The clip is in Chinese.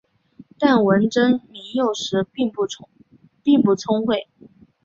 但文征明幼时并不聪慧。